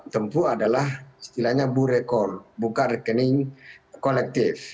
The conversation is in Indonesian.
tumpu adalah istilahnya burekol buka rekening kolektif